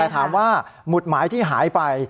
แต่ถามว่าหมุดหมายที่หายไป